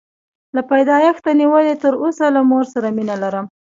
له پیدایښته نیولې تر اوسه له مور سره مینه لرم.